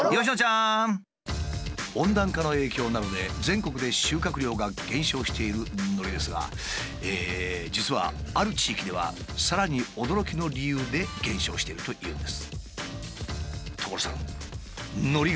温暖化の影響などで全国で収穫量が減少しているのりですが実はある地域ではさらに驚きの理由で減少してるというんです。